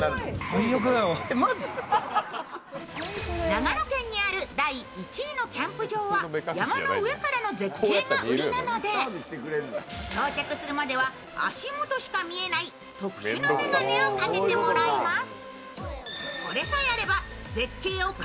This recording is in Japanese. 長野県にある第１位のキャンプ場は山の上からの絶景が売りなので、到着するまでは、足元しか見えない特殊な眼鏡をかけてもらいます。